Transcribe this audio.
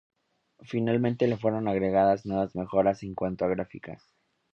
Finalmente, le fueron agregadas nuevas mejoras en cuanto a gráficas.